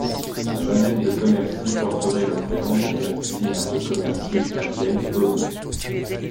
La madeleine de Commercy porterait le prénom d'une jeune cuisinière de Commercy, Madeleine Paulmier.